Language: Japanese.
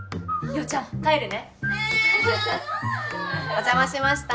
お邪魔しました。